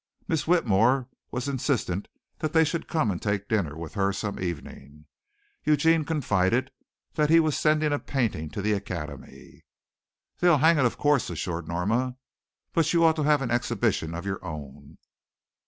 Miss Whitmore was insistent that they should come and take dinner with her some evening. Eugene confided that he was sending a painting to the Academy. "They'll hang it, of course," assured Norma, "but you ought to have an exhibition of your own."